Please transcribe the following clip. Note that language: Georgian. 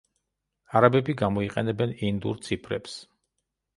არაბები გამოიყენებენ ინდურ ციფრებს.